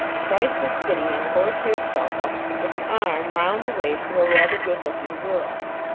Price was sitting on a horse hair sofa with an arm round the waist of a rather good looking girl.